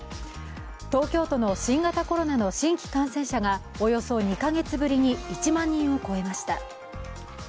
東京都の新型コロナの新規感染者がおよそ２か月ぶりに１万人を超えました。